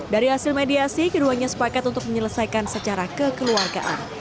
dari hasil mediasi keduanya sepakat untuk menyelesaikan secara kekeluargaan